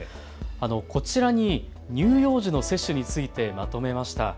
こちらに乳幼児の接種についてまとめました。